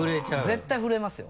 絶対震えますよ。